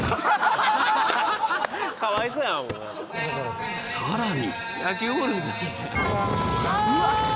かわいそうやんさらにああ！